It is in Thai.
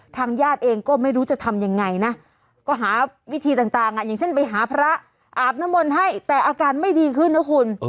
ทางญาติเองก็ไม่รู้จะทำยังไงนะก็หาวิธีต่างอย่างเช่นไปหาพระอาบน้ำมนต์ให้แต่อาการไม่ดีขึ้นนะคุณ